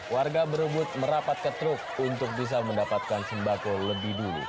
warga berebut merapat ke truk untuk bisa mendapatkan sembako lebih dulu